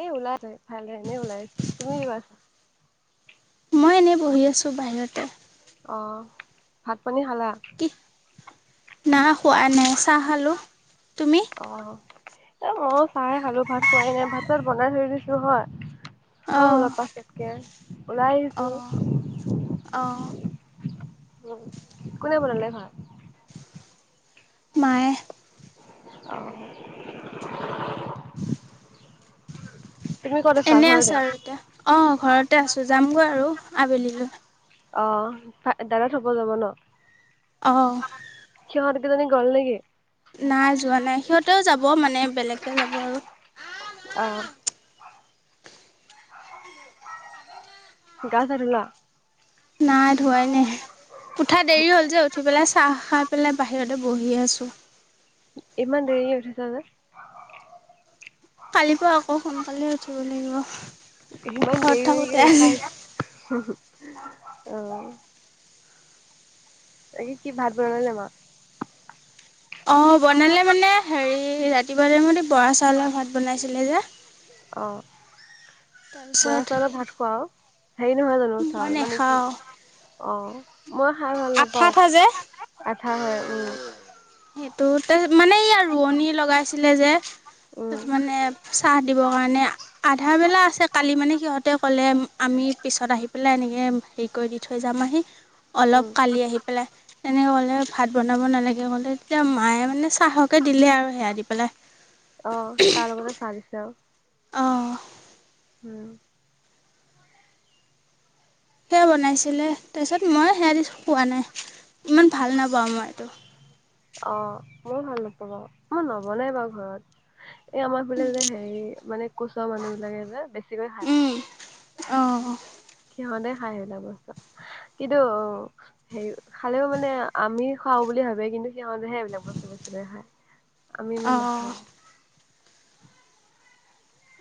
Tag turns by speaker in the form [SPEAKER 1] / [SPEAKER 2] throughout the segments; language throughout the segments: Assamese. [SPEAKER 1] এ ওলাইছে। ভালদৰে এনেই ওলাই আছে। তুমি কি কৰি আছা?
[SPEAKER 2] মই এনেই বহি আছোঁ বাহিৰতে।
[SPEAKER 1] অঁ। ভাত পানী খালা?
[SPEAKER 2] কি না খোৱা নাই। চাহ খালো, তুমি?
[SPEAKER 1] অ। এ মইয়ো চাহয়ে খালো, ভাত খোৱাই নাই। ভাত তাত বনাই থৈ দিছো নহয় খাম
[SPEAKER 2] অঁ
[SPEAKER 1] অলপ পাছত। কে, উলায় আহিছো।
[SPEAKER 2] অঁ অঁ
[SPEAKER 1] উম, কোনে বনালে বনালে ভাত?
[SPEAKER 2] মায়ে।
[SPEAKER 1] অহ। তুমি ক'ত আছা
[SPEAKER 2] এনে
[SPEAKER 1] ঘৰতে
[SPEAKER 2] আছো আৰু এতিয়া। অ ঘৰতে আছো যামগৈ আৰু আবেলিলৈ।
[SPEAKER 1] অ দাদা থ'ব যাব ন?
[SPEAKER 2] অঁ।
[SPEAKER 1] সিহঁত কেইজনী গ'ল নেকি?
[SPEAKER 2] নাই যোৱা নাই। সিহঁতেও যাব মানে বেলেগকে যাব আৰু।
[SPEAKER 1] অ। গা-চা ধোৱা?
[SPEAKER 2] নাই ধোৱাই নাই। ওঠা দেৰি হ'ল যে, উঠি পেলাই চাহ খা পেলাই বাহিৰতে বহি আছোঁ।
[SPEAKER 1] ইমান দেৰি লে উঠিছা যে?
[SPEAKER 2] কালিৰ পৰা আকৌ সোনকালে উঠিব লাগিব।
[SPEAKER 1] সিমান
[SPEAKER 2] ঘৰত থাকোঁতে
[SPEAKER 1] দেৰি
[SPEAKER 2] আজি
[SPEAKER 1] উঠাই [inaudible] অঁহ। তাকে কি ভাত বনালে বাও।
[SPEAKER 2] অঁ বনালে মানে হেৰি ৰাতিপুৱাতে মানে বৰা চাউলৰ ভাত বনাইছিলে যে।
[SPEAKER 1] অঁ, বৰা
[SPEAKER 2] তাৰপিছত
[SPEAKER 1] চাউলৰ ভাত খোৱা আও? হেৰি নহয় জানো
[SPEAKER 2] মই
[SPEAKER 1] চাউল মানে কি
[SPEAKER 2] নেখাওঁ।
[SPEAKER 1] অঁ মই খায় ভাল
[SPEAKER 2] আঠা আঠা যে
[SPEAKER 1] নাপাওঁ। আঠা হয় উম।
[SPEAKER 2] সেইটোতে মানে ইয়াৰ ৰোৱনী লগাইছিলে যে তাত
[SPEAKER 1] উম
[SPEAKER 2] মানে চাহ দিব কাৰণে আধা বেলা আছে, কালি মানে সিহঁতে ক'লে আমি পিছত আহি পেলাই এনেকে হেৰি কৰি দি থৈ যাম আহি। অলপ
[SPEAKER 1] উম
[SPEAKER 2] কালি আহি পেলাই তেনেকে কলে ভাত বনাব নালাগে কলে। এতিয়া মায়ে মানে চাহকে দিলে আৰু সেয়া দি পেলাই।
[SPEAKER 1] অঁ তাৰ লগতে চাহ দিছে আও।
[SPEAKER 2] অঁহ।
[SPEAKER 1] উম।
[SPEAKER 2] সেয়া বনাইছিলে, তাৰপিছত, মই সেয়া দি খোৱা নাই ইমান ভাল নাপাওঁ মই এইটো।
[SPEAKER 1] অঁ মইও ভাল নাপাওঁ বাও, মই নবনাই বাও ঘৰত। এই আমাৰ ফালে যে, হেৰি মানে কোচৰ মানুহ বিলাকে যে বেছিকৈ খায়।
[SPEAKER 2] উম অঁ।
[SPEAKER 1] সিহঁতে খায় সেইবিলাক বস্তু, কিন্তু হেৰি খালেও মানে আমি খাওঁ বুলি ভাবে, কিন্তু সিহঁতেহে এইবিলাক বস্তু বেছিকে খায়। আমি ইমান
[SPEAKER 2] অঁ
[SPEAKER 1] নাখাওঁ।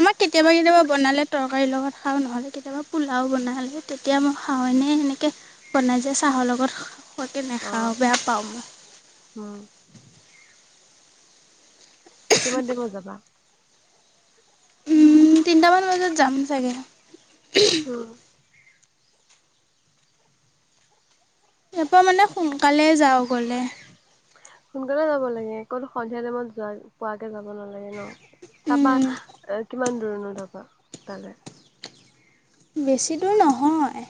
[SPEAKER 2] আমাৰ কেতিয়াবা, কেতিয়াবা বনালে তৰকাৰীৰ লগত খাওঁ, নহ'লে কেতিয়াবা পোলাও বনালে। তেতিয়া মই খাওঁ, এনেই এনেকে বনাই যে চাহৰ লগত খোৱাকে
[SPEAKER 1] অ
[SPEAKER 2] নেখাওঁ বেয়া পাওঁ মই।
[SPEAKER 1] উম। কিমান টাইমত যাবা?
[SPEAKER 2] উম, তিনিটামান বজাত যাম চাগে।
[SPEAKER 1] উম।
[SPEAKER 2] ইয়াৰপৰা মানে, সোনকালে যাওঁ গ'লে।
[SPEAKER 1] সোনকালে যাব লাগে, কত সন্ধিয়া টাইমত যোৱাৰ পোৱাকে যাব নালাগে ন, তাৰাপা কিমান দূৰণো তাৰাপা তালৈ?
[SPEAKER 2] বেছি দূৰ নহয়,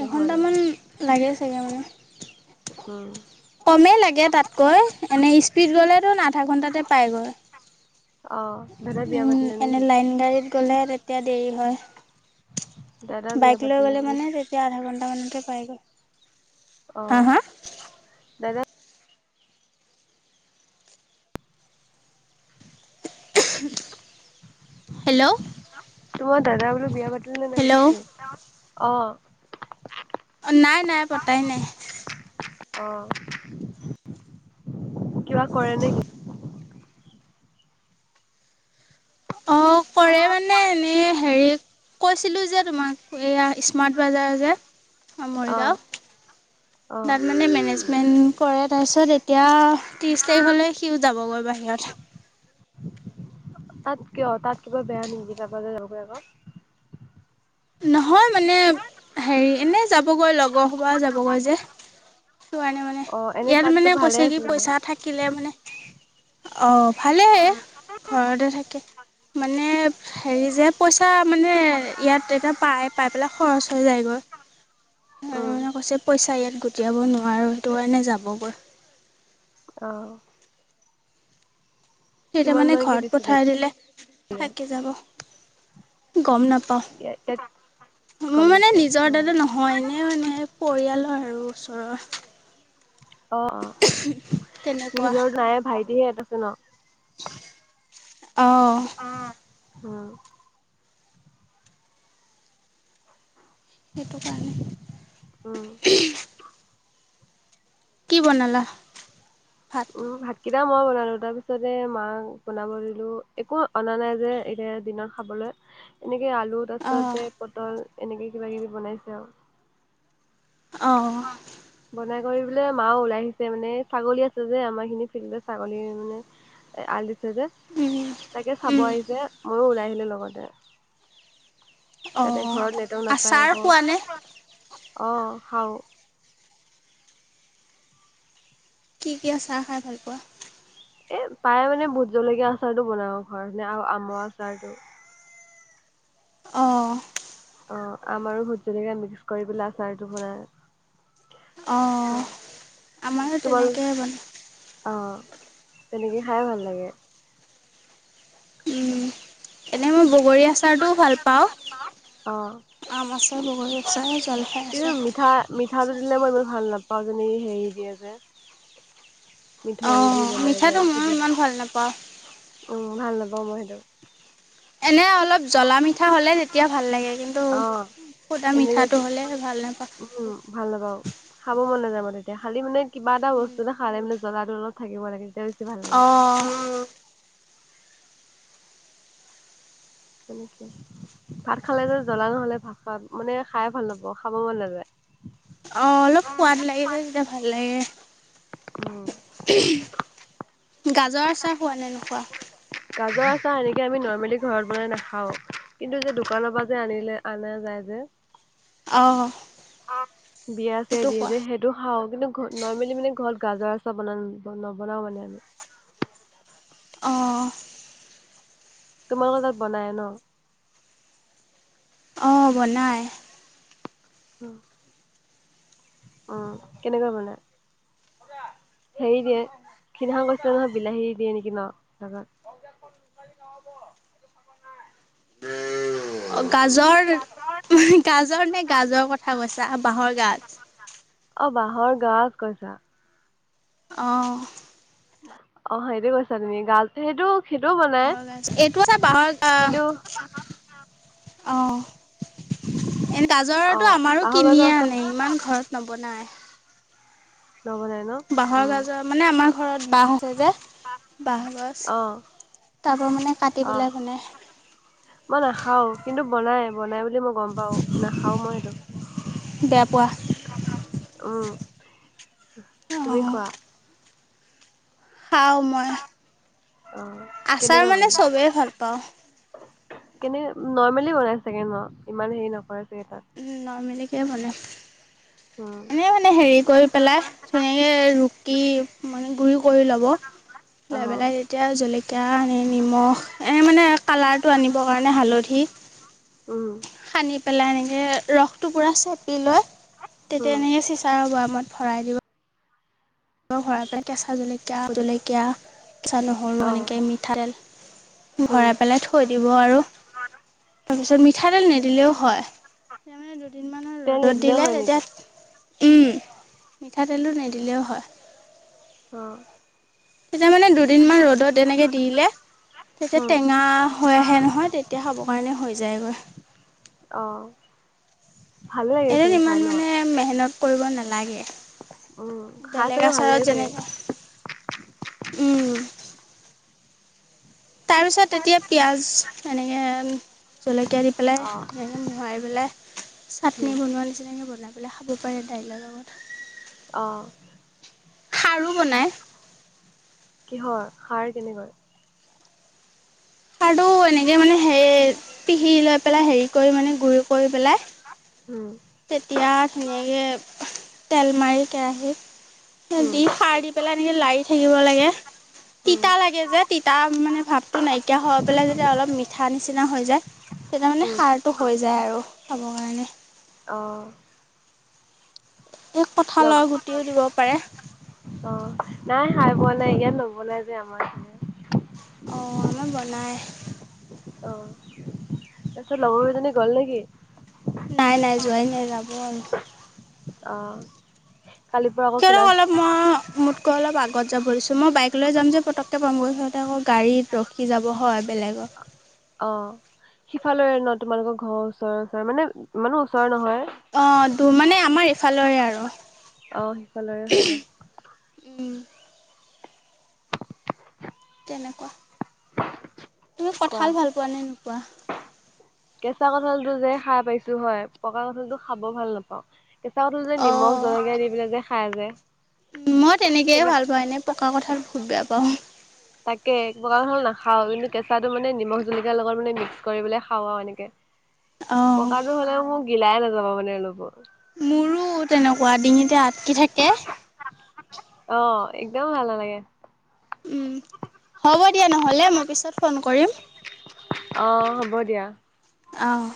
[SPEAKER 1] নহয় ন
[SPEAKER 2] এঘণ্টামান লাগে চাগে মানে।
[SPEAKER 1] উম।
[SPEAKER 2] কমেই লাগে তাত কৈ, এনেই স্পীড গলে তোন আধা ঘণ্টাতে পাইগৈ।
[SPEAKER 1] অঁ দাদাই বিয়া পাতিলে নেকি?
[SPEAKER 2] এন গাড়ীত গ'লে তেতিয়া দেৰি হয়।
[SPEAKER 1] দাদা বিয়া
[SPEAKER 2] বাইক লৈ
[SPEAKER 1] পাতিলে
[SPEAKER 2] গ'লে মানে
[SPEAKER 1] নেকি?
[SPEAKER 2] তেতিয়া, আধা ঘণ্টামানতে পাইগৈ।
[SPEAKER 1] অ
[SPEAKER 2] হা, হা?
[SPEAKER 1] দাদা
[SPEAKER 2] হেল্ল।
[SPEAKER 1] তোমই দাদা বোলো বিয়া পাতিলে নে নাই
[SPEAKER 2] হেল্ল'
[SPEAKER 1] সুধিছো। অঁ।
[SPEAKER 2] অ নাই, নাই পতাই নাই।
[SPEAKER 1] অঁ, কিবা কৰে নেকি?
[SPEAKER 2] অ কৰে মানে এনেই হেৰি কৈছিলো, যে তোমাক এইয়া ইছ মঠ বজাৰ যে, অঁ
[SPEAKER 1] অ
[SPEAKER 2] মৰিগাঁও
[SPEAKER 1] অ
[SPEAKER 2] তাত মানে মেনেজ- প্লেন কৰে তাৰপিছত এতিয়া ত্ৰিছ তাৰিখ হ'লে সিওঁ যাবগৈ বাহিৰত।
[SPEAKER 1] তাত কিয়? তাত কিবা বেয়া নেকি? তাৰপা যে যাওঁগে আকৌ?
[SPEAKER 2] নহয় মানে হেৰি, এনেই যাবগৈ লগৰ সোপা যাবগৈ যে। চোৱা নাই মানে।
[SPEAKER 1] অ এনে
[SPEAKER 2] এইয়াত
[SPEAKER 1] তাততো
[SPEAKER 2] মানে
[SPEAKER 1] ভালে
[SPEAKER 2] কৈছে কি
[SPEAKER 1] আছিলে
[SPEAKER 2] পইচা থাকিলে মানে, অ' ভালেই।
[SPEAKER 1] অঁ'
[SPEAKER 2] ঘৰতে থাকে। মানে হেৰি যে পইচা মানে ইয়াত এটা- পাই পাই পেলাই খৰচ হৈ যায়গৈ।
[SPEAKER 1] উম
[SPEAKER 2] মানুহজনে কৈছে পইচা ইয়াত গোটিয়াব নোৱাৰোঁ। সেইটো কাৰণে যাবগৈ।
[SPEAKER 1] অ'।
[SPEAKER 2] তেতিয়া
[SPEAKER 1] কিমান
[SPEAKER 2] মানে
[SPEAKER 1] মানকে
[SPEAKER 2] ঘৰত
[SPEAKER 1] দিছিলে
[SPEAKER 2] পঠাই দিলে
[SPEAKER 1] ইয়াত?
[SPEAKER 2] থাকি যাব। গম নাপ- পাওঁ,
[SPEAKER 1] ইয়াত কম
[SPEAKER 2] মোৰ মানে
[SPEAKER 1] নোপোৱা
[SPEAKER 2] নিজৰ
[SPEAKER 1] অ।
[SPEAKER 2] দাদা নহ- হয় এনেই মানে পৰিয়ালৰ আৰু ওচৰৰ।
[SPEAKER 1] অঁ অঁ
[SPEAKER 2] তেনেকুৱা
[SPEAKER 1] নিজৰ নায়ে ভাইটিহে এটা আছে ন।
[SPEAKER 2] অঁ'
[SPEAKER 1] অঁ' হুম।
[SPEAKER 2] সেইটো কাৰণে।
[SPEAKER 1] উম'
[SPEAKER 2] কি বনালা ভাত?
[SPEAKER 1] উম ভাতকেইটা মই বনালো, তাৰ পিছতে মাক বনাব দিলো একো অনা নাই যে এতিয়া দিনত- খাবলৈ, এনেকে আলু তাৰ
[SPEAKER 2] অঁ
[SPEAKER 1] পিছতে পটল এনেকে কিবা কিবি বনাইছে আৰু।
[SPEAKER 2] অঁ অঁ।
[SPEAKER 1] বনাই কৰি পেলে মাও ওলাই আহিছে মানে, ছাগলী আছে যে আমাৰ খিনি ফিল্ডত ছাগলী মানে- এ আল দিছে যে, তাকে চাব আহিছে ময়ো ওলাই আহিলো লগতে। তাতে
[SPEAKER 2] অঁ
[SPEAKER 1] ঘৰত নেতৱৰ্ক নাপায়
[SPEAKER 2] আচাৰ খোৱানে
[SPEAKER 1] আকৌ, অঁ খাওঁ।
[SPEAKER 2] কি কি আচাৰ খাই ভাল পোৱা?
[SPEAKER 1] এ প্ৰায়ে মানে ভোত জলকীয়া আচাৰটো বনাও ঘৰতে আৰু আমৰ আচাৰটো।
[SPEAKER 2] অঁ'
[SPEAKER 1] অঁ আমা আৰু ভোত জলকীয়া মিক্স কৰি পেলাই আচাৰটো বনাই।
[SPEAKER 2] অঁ
[SPEAKER 1] হয়।
[SPEAKER 2] আমাৰো তেনেকে বনাই।
[SPEAKER 1] অঁ তেনেকে খাইয়ে ভাল লাগে।
[SPEAKER 2] উম' এনেই মই ব- বগৰী আচাৰটোও ভাল পাওঁ,
[SPEAKER 1] অ'।
[SPEAKER 2] আম আচাৰ বগৰী আচাৰ জলফাই
[SPEAKER 1] কিন্তু
[SPEAKER 2] আচাৰ।
[SPEAKER 1] মিঠা মিঠাটো দিলে মই ইমান ভাল নাপাওঁ, যেনেকি হেৰি দিয়ে যে- মিঠৈ দি
[SPEAKER 2] অঁ
[SPEAKER 1] বনাই যে
[SPEAKER 2] মিঠাটো মইয়ো
[SPEAKER 1] সেইটো
[SPEAKER 2] ইমান ভাল নাপাওঁ।
[SPEAKER 1] উম' ভাল নাপাওঁ মই সেইটো।
[SPEAKER 2] এনেই অলপ- জ্বলা মিঠা হ'লে তেতিয়া ভাল লাগে, কিন্তু
[SPEAKER 1] অ'।
[SPEAKER 2] সুদা
[SPEAKER 1] এনে
[SPEAKER 2] মিঠাটো
[SPEAKER 1] যে
[SPEAKER 2] হ'লে ভাল নাপাওঁ।
[SPEAKER 1] উম' ভাল নাপাওঁ। খাব মন নাযাব তেতিয়া, খালি মানে কিবা এটা বস্তুতে খালে মানে জ্বলাটো অলপ থাকিব লাগে তেতিয়া বে-
[SPEAKER 2] অঁ'।
[SPEAKER 1] তেনেকে, ভাত খালে যে জ্বলা নহলে ভাত খাত মানে খাই ভাল নাপাওঁ খাব মন নাযায়।
[SPEAKER 2] অঁ অলপ সোৱাদ লাগিলে তেতিয়া ভাল লাগে।
[SPEAKER 1] উম'
[SPEAKER 2] গাজৰ আচাৰ খোৱা নে নোখোৱা?
[SPEAKER 1] গাজৰ আচাৰ এনেকে আমি নৰ্মেলি ঘৰত বনাই নাখাওঁ কিন্তু যে দোকানৰ পৰা যে আনিলে আনা যায় যে
[SPEAKER 2] অ'
[SPEAKER 1] বিয়া চিয়াই দিয়ে যে হেইট টো খাও কিন্তু ঘ নৰ্মেলি মানে ঘৰত গাজৰ আচাৰ বন নবনাও মানে আমি
[SPEAKER 2] অ'
[SPEAKER 1] তোমালোকৰ তাত বনাই ন
[SPEAKER 2] অ' বনায়
[SPEAKER 1] অ' কেনেকুৱা বনায় হেৰি দিয়ে সিদনাখন কৈছে নহয় বিলাহী দিয়ে নেকি ন গাজৰত
[SPEAKER 2] অ গাজৰ গাজৰ নে গাজৰ কথা কৈছা বাঁহৰ গাজ
[SPEAKER 1] অ বাঁহৰ গাজ কৈছা
[SPEAKER 2] অ'
[SPEAKER 1] অ' সেইটো কৈছা তুমি গাজ সেইটো সেইটোও বনাই
[SPEAKER 2] বাঁহৰ গাজ এইটো এটা বাঁহৰ গা
[SPEAKER 1] কিন্তু
[SPEAKER 2] অ' এনে
[SPEAKER 1] অ
[SPEAKER 2] গাজৰৰটো আমাৰো
[SPEAKER 1] বাঁহৰ গাজৰ
[SPEAKER 2] কিনিয়ে
[SPEAKER 1] আছে
[SPEAKER 2] আনে ইমান ঘৰত নবনায়।
[SPEAKER 1] নবনায় ন।
[SPEAKER 2] বাঁহৰ
[SPEAKER 1] উম
[SPEAKER 2] গাজৰ মানে, আমাৰ ঘৰত বাঁহ আছে যে, বাঁহগছ
[SPEAKER 1] অ
[SPEAKER 2] তাৰ পৰা মানে কাটি
[SPEAKER 1] অ
[SPEAKER 2] পেলাই বনায়।
[SPEAKER 1] মই নাখাওঁ, কিন্তু বনায়, বনায় বুলি মই গম পাওঁ, নাখাওঁ মই সেইটো।
[SPEAKER 2] বেয়া পোৱা?
[SPEAKER 1] উম, তুমি
[SPEAKER 2] অঁ।
[SPEAKER 1] খোৱা?
[SPEAKER 2] খাওঁ মই।
[SPEAKER 1] অ',
[SPEAKER 2] আচাৰ
[SPEAKER 1] কেনেকৈ
[SPEAKER 2] মানে চবেই
[SPEAKER 1] বনায়?
[SPEAKER 2] ভাল পাওঁ
[SPEAKER 1] কেনে, নৰ্মেলি বনায় চাগে ন, ইমান হেৰি নকৰে চাগে তাত?
[SPEAKER 2] উম, নৰ্মেলিকৈ বনায়।
[SPEAKER 1] উম
[SPEAKER 2] এনে মানে, হেৰি কৰি পেলাই, ধুনীয়াকে ৰুকি মানে, গুৰি কৰি ল'ব। লৈ
[SPEAKER 1] অহ
[SPEAKER 2] পেলাই তেতিয়া জলকীয়া, নিমখ, এ মানে, কালাৰটো আনিবৰ কাৰণে হালধি [inaudible]
[SPEAKER 1] উম।
[SPEAKER 2] সানি পেলাই এনেকে, ৰসটো পূৰা চেপি লয়,
[SPEAKER 1] উম
[SPEAKER 2] তেতিয়া এনেকে চিচাৰৰ বৈয়ামত ভৰাই দিয়ে। ভৰাই পেলাই, কেচা জলকীয়া, [unintelligible] জলকীয়া, কেঁচা নহৰু,
[SPEAKER 1] অ
[SPEAKER 2] এনেকে মিঠাতেল।
[SPEAKER 1] উম
[SPEAKER 2] ভৰাই পেলাই থ থৈ দিব আৰু, তাৰপিছত মিঠাতেল নিদিলেও হয় দুদিনমানৰ
[SPEAKER 1] তেল
[SPEAKER 2] ৰ'দত
[SPEAKER 1] নিদিলেও
[SPEAKER 2] দিলে
[SPEAKER 1] হয় নেকি
[SPEAKER 2] তেতিয়া, উম মিঠাতেলটো নিদিলেও হয়।
[SPEAKER 1] অ'।
[SPEAKER 2] তেতিয়া মানে, দুদিনমান ৰ'দত এনেকে দিলে, তেতিয়া
[SPEAKER 1] উম
[SPEAKER 2] টেঙা হৈ আহে নহয়, তেতিয়া খাবৰ কাৰণে হৈ যায়গৈ।
[SPEAKER 1] অ'। ভালে লাগে
[SPEAKER 2] এনে
[SPEAKER 1] চাগে খাই
[SPEAKER 2] ইমান
[SPEAKER 1] ন
[SPEAKER 2] মানে, মেহনত কৰিব নালাগে।
[SPEAKER 1] উম খাই
[SPEAKER 2] বেলেগ
[SPEAKER 1] চাগে ভাল লাগে
[SPEAKER 2] আচাৰত
[SPEAKER 1] চাগে
[SPEAKER 2] যেনেকে তাৰপিছত তেতিয়া পিঁয়াজ এনেকে জলকীয়া দি পেলাই
[SPEAKER 1] অ
[SPEAKER 2] এনেই মোহাৰি পেলাই
[SPEAKER 1] উম
[SPEAKER 2] চাটনি বনোৱাৰ নিচিনাকে বনাই। বোলে খাব পাৰে দাইলৰ লগত।
[SPEAKER 1] অঁ'।
[SPEAKER 2] খাৰ ও বনাই।
[SPEAKER 1] কিহৰ খাৰ কেনেকৈ?
[SPEAKER 2] খাৰটো এনেকে মানে হেই পিহি লৈ পেলাই হেৰি কৰি মানে গুডি কৰি পেলাই।
[SPEAKER 1] উম
[SPEAKER 2] তেতিয়া ধুনীয়াকে, তেল মাৰি কেৰাহিত তেল
[SPEAKER 1] উম
[SPEAKER 2] দি খাৰ দি- পেলাই এনেকে লাৰি থাকিব লাগে।
[SPEAKER 1] উম
[SPEAKER 2] তিতা লাগে যে, তিতা মানে ভাৱটো নাইকিয়া হৈ পেলাই যেতিয়া অলপ মিঠা নিচিনা হৈ যায়। তেতিয়া মানে,
[SPEAKER 1] উম
[SPEAKER 2] খাৰটো হৈ যায় আৰু খাব কাৰণে।
[SPEAKER 1] অঁ'
[SPEAKER 2] এই
[SPEAKER 1] লগ
[SPEAKER 2] কঠালৰ গুটিও দিব পাৰে।
[SPEAKER 1] অঁ, নাই খাই পোৱা নাই, ইয়াত নবনাই যে আমাৰ এইফালে।
[SPEAKER 2] অঁ, আমাৰ বনাই।
[SPEAKER 1] অঁ' তাপিছত লগৰগিজনী গ'ল নে কি?
[SPEAKER 2] নাই নাই যোৱাই নাই, যাব আৰু।
[SPEAKER 1] অঁ'। কালিৰ পৰা আকৌ-
[SPEAKER 2] তেহেঁতক
[SPEAKER 1] ক্লাছ
[SPEAKER 2] অলপ ম- মোতকৈ অলপ আগত যাব দিছোঁ, মই বাইক লৈ যাম যে পটককৈ পামগৈ, সিহঁতে আকৌ গাড়ীত ৰখি যাব হয় বেলেগৰ।
[SPEAKER 1] অঁ' সিফালৰে ন' তোমালোকৰ ঘৰৰ ওচৰে ওচৰে মানে, ইমানো ওচৰ নহয়।
[SPEAKER 2] অঁ' দূৰ মানে আমাৰ এইফালৰে আৰু।
[SPEAKER 1] অঁ, সেইফালৰে হয় ন'।
[SPEAKER 2] উম'। কেনেকুৱা? তুমি
[SPEAKER 1] কোৱা
[SPEAKER 2] কঠাল ভাল পোৱা নে নোপোৱা?
[SPEAKER 1] কেঁচা কঁঠালটো যে খাই পাইছো হয়, পকা কঠাল টো খাব ভাল নাপাওঁ। কেঁচা কঠালটো যে নিমখ
[SPEAKER 2] অঁ
[SPEAKER 1] জলকীয়া দি পেলাই যে খাই যে।
[SPEAKER 2] উম' মই তেনেকেই
[SPEAKER 1] সেইটো
[SPEAKER 2] ভাল পাওঁ, এনেই পকা কঠাল বহুত বেয়া পাওঁ।
[SPEAKER 1] তাকে, পকা কঠাল নাখাওঁ, যোনটো কেঁচাটো মানে নিমখ জলকীয়াৰ লগত মানে মিক্স কৰি পেলাই খাওঁ আৰু এনেকে।
[SPEAKER 2] অঁ
[SPEAKER 1] পকাটো হ'লে মোক গিলাই নাযাব মানে অলপো।
[SPEAKER 2] মোৰো তেনেকুৱা, ডিঙিতে আটকি থাকে।
[SPEAKER 1] অঁ' একদম ভাল নালাগে।
[SPEAKER 2] উম' হ'ব দিয়া নহ'লে, মই পিছত ফন কৰিম।
[SPEAKER 1] অঁ' হ'ব দিয়া।
[SPEAKER 2] অঁ'।